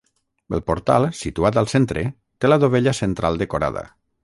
El portal, situat al centre, té la dovella central decorada.